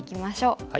はい。